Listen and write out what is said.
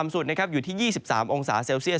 สุดอยู่ที่๒๓องศาเซลเซียส